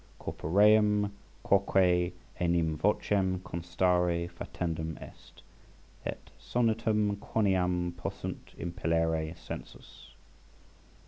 "Corpoream quoque enim vocem constare fatendum est, Et sonitum, quoniam possunt impellere sensus."